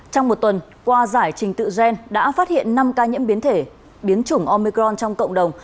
trong một tuần qua giải trình tự gen đã phát hiện năm ca nhiễm biến thể biến chủng omicron trong cộng đồng